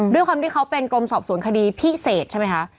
ด้วยความที่เขาเป็นกรมสอบสวนคดีพิเศษใช่ไหมคะ